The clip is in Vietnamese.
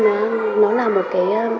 nó là một cái